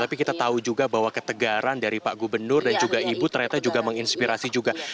tapi kita tahu juga bahwa ketegaran dari pak gubernur dan juga ibu ternyata juga menginspirasi juga